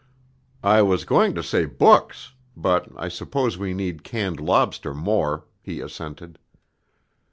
"I was going to say books, but I suppose we need canned lobster more," he assented.